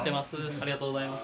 ありがとうございます。